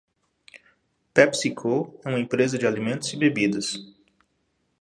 PepsiCo é uma empresa de alimentos e bebidas.